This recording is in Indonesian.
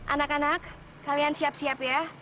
anak anak kalian siap siap ya